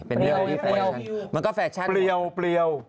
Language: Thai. เป็นเรื่องยิ่งด๊วย